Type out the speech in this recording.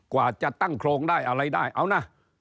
กว่าจะตั้งโครงได้อะไรได้เอานะ